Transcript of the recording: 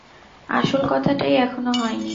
আসল কথাটাই এখনো হয় নি।